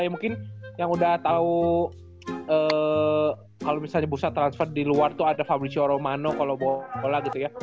ya mungkin yang udah tau kalo misalnya bursa transfer di luar tuh ada fabrizio romano kalo bola gitu ya